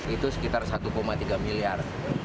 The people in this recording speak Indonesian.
itu sekitar satu tiga miliar